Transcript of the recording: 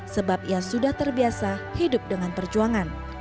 sebab ia sudah terbiasa hidup dengan perjuangan